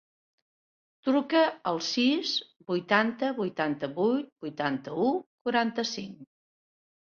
Truca al sis, vuitanta, vuitanta-vuit, vuitanta-u, quaranta-cinc.